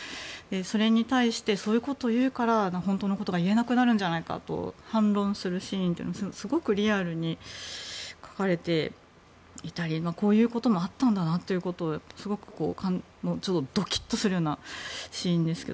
それに対して、そういうことを言うから、本当のことが言えなくなるんじゃないかと反論するシーンというのもすごくリアルに描かれていたりこういうこともあったんだなとすごくドキッとするようなシーンでしたが。